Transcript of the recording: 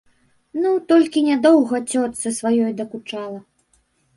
Ну, толькі не доўга цётцы сваёй дакучала.